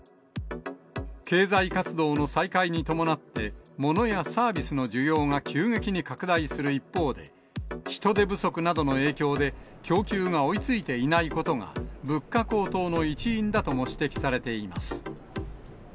経済活動の再開に伴って、ものやサービスの需要が急激に拡大する一方で、人手不足などの影響で供給が追いついていないことが、物価高騰の一因だとも指摘されています。